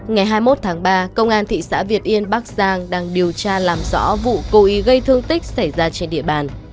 ngày hai mươi một tháng ba công an thị xã việt yên bắc giang đang điều tra làm rõ vụ cố ý gây thương tích xảy ra trên địa bàn